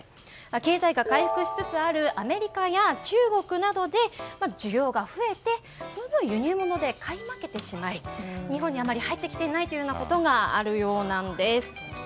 経済が回復しつつあるアメリカや中国などで需要が増えてその分輸入物で買い負けてしまい日本にあまり入ってきていないということがあるようなんです。